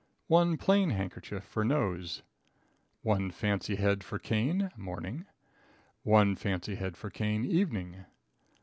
1 Plain Handkerchief for nose. 1 Fancy Head for Cane (morning). 1 Fancy Head for Cane (evening).